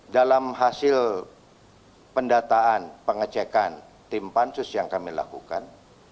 dalam hasil pendataan pengecekan tim pansus yang kami lakukan